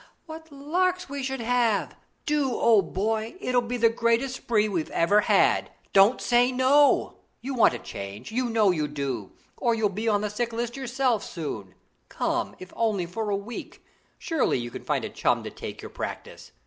What larks we should have! Do, old boy; it'll be the greatest spree we've ever had. Don't say 'no.' You want a change, you know you do; or you'll be on the sick list yourself soon. Come, if only for a week! Surely you can find a chum to take your practice.